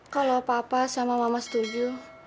kalau papa sama mama setuju